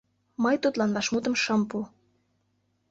Мый тудлан вашмутым шым пу.